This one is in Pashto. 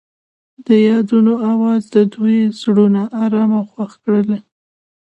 د یادونه اواز د دوی زړونه ارامه او خوښ کړل.